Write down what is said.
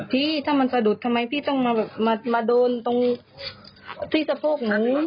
พี่ถ้ามันสะดุดทำไมพี่ต้องมาโดนตรงที่สะโพกนั้น